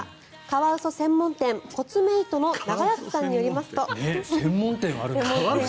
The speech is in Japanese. カワウソ専門店コツメイトの長安さんによりますと。